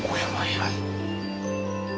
はい。